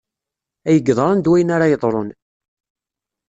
Ay yeḍran d wayen ara yeḍrun